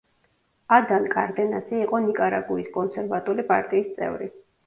ადან კარდენასი იყო ნიკარაგუის კონსერვატული პარტიის წევრი.